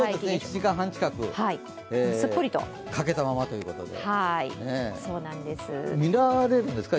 １時間半近く、欠けたままということで。